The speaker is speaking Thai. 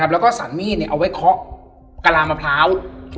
แล้วก็สันมีดเอาไว้เคาะกะลามะพร้าว